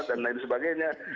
dan lain sebagainya